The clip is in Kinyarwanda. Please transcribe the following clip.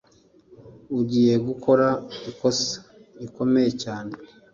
Ugiye gukora ikosa rikomeye cyane.